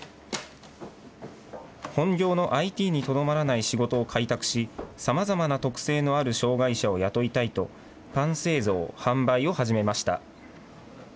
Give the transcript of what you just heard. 本業のＩＴにとどまらない仕事を開拓し、さまざまな特性のある障害者を雇いたいと、パン製造・販売を始めました。